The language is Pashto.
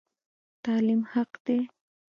تعلیم حق دی